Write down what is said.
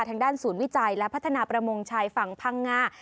ทางด้านศูนย์วิจัยและพัฒนาประมงชายฝั่งพังงา